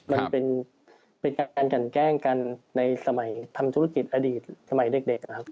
มันเป็นการกันแกล้งกันในสมัยทำธุรกิจอดีตสมัยเด็กนะครับ